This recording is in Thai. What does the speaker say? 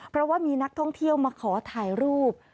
เพราะว่ามีนักท่องเที่ยวมาขอถ่ายรูป